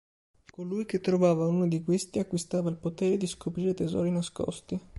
Colui che trovava uno di questi acquistava il potere di scoprire tesori nascosti.